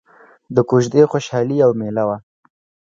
د کوژدې خوشحالي او ميله وه.